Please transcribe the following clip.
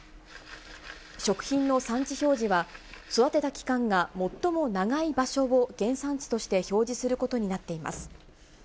食品の産地表示は、育てた期間が最も長い場所を原産地として表示することになっています。